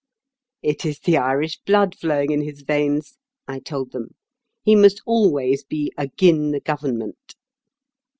"It is the Irish blood flowing in his veins," I told them. "He must always be 'agin the Government.